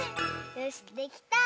よしできた！